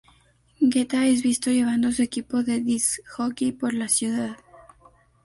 Guetta es visto llevando su equipo de "disc jockey" por la ciudad.